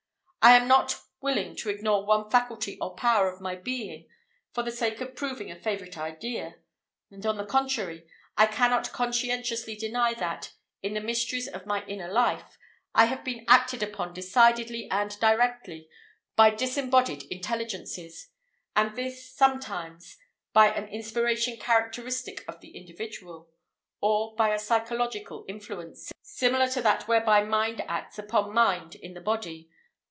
I am not willing to ignore one faculty or power of my being for the sake of proving a favorite idea; and, on the contrary, I cannot conscientiously deny that, in the mysteries of my inner life, I have been acted upon decidedly and directly by disembodied intelligences, and this, sometimes, by an inspiration characteristic of the individual, or by a psychological influence similar to that whereby mind acts upon mind in the body.